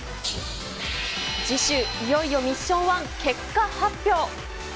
次週、いよいよミッション１結果発表。